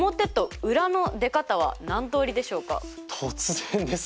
突然ですね。